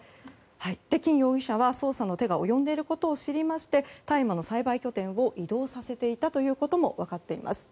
金容疑者は捜査の手が及んでいることを知りまして大麻の栽培拠点を移動させていたことも分かっています。